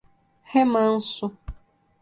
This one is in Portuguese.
Remanso